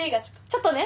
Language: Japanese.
ちょっとね。